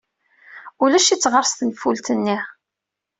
Ulac-itt ɣer-s tenfult-nni.